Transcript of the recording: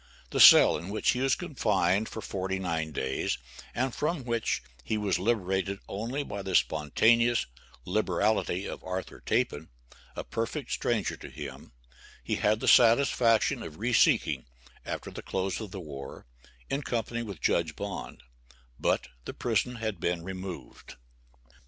The cell in which he was confined for forty nine days, and from which he was liberated only by the spontaneous liberality of Arthur Tappan, a perfect stranger to him, he had the satisfaction of reseeking, after the close of the war, in company with Judge Bond, but the prison had been removed.